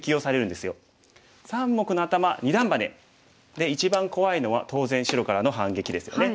で一番怖いのは当然白からの反撃ですよね。